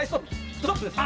ストップです！